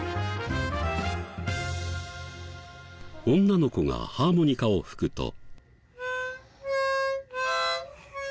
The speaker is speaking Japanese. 女の子がハーモニカを吹くと。